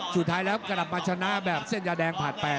สุดท้ายเรากลับมาชนะแบบเส้นยาแดงตรงแถม๘